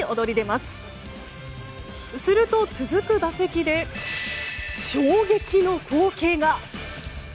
すると続く打席で衝撃の光景が。